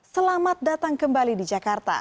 selamat datang kembali di jakarta